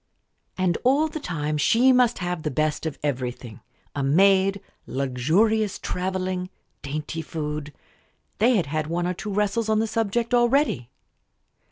And all the time she must have the best of everything a maid, luxurious travelling, dainty food. They had had one or two wrestles on the subject already.